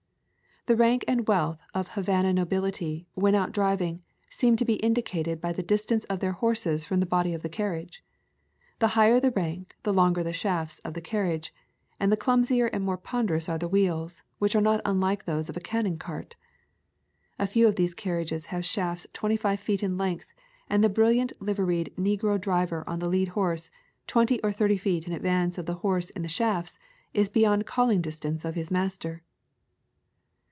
The rank and wealth of Havana nobility, when out driving, seems to be indicated by the distance of their horses from the body of the carriage. The higher the rank, the longer the shafts of the carriage, and the clumsier and more ponderous are the wheels, which are not unlike those of a cannon cart. A few of these carriages have shafts twenty five feet in length, and the brilliant liveried negro driver on the lead horse, twenty or thirty feet' in advance of the horse in the shafts, is beyond calling distance of his master.